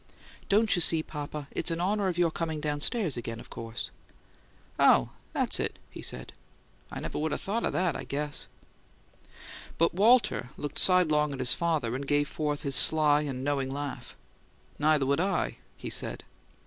"Don't you see, papa? It's in honour of your coming downstairs again, of course." "Oh, so that's it," he said. "I never would 'a' thought of that, I guess." But Walter looked sidelong at his father, and gave forth his sly and knowing laugh. "Neither would I!" he said.